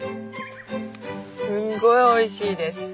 すごいおいしいです。